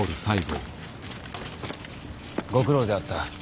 ご苦労であった。